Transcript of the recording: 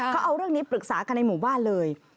เขาเอาเรื่องนี้ปรึกษากันในหมู่บ้านเลย